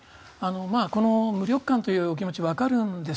この無力感というお気持ちわかるんです。